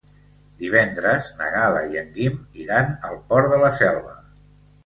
Divendres na Gal·la i en Guim iran al Port de la Selva.